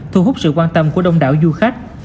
thu hút sự quan tâm của đông đảo du khách